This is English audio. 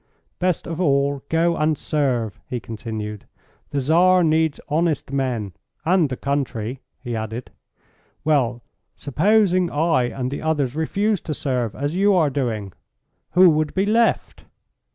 "Best of all, go and serve," he continued; "the Tsar needs honest men and the country," he added. "Well, supposing I and the others refused to serve, as you are doing? Who would be left?